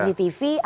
kalau kanjuruhan ya